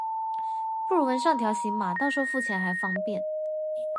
不如纹上条形码，到时候付钱还方便